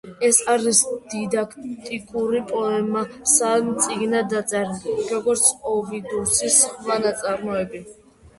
ეს არის დიდაქტიკური პოემა სამ წიგნად დაწერილი, როგორც ოვიდიუსის სხვა ნაწარმოებები.